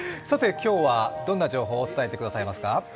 今日はどんな情報を伝えてくださいますか？